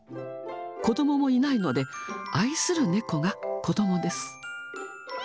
子どももいないので、愛する猫が子どもです。